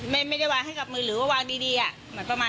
แล้วก็คิดว่าจบแล้วเขาไปพาแฟนก็มา